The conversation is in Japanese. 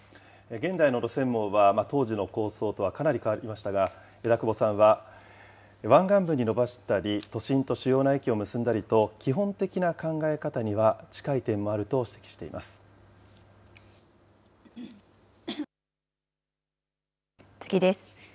現代の路線網は、当時の構想とはかなり変わりましたが、枝久保さんは、湾岸部に延ばしたり、都心と主要な駅を結んだりと、基本的な考え方には、近次です。